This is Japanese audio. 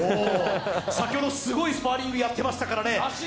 先ほどすごいスパーリングやってましたからね。